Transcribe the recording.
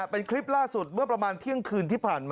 ไม่ทันแล้วบอกเลยกูไม่ยอม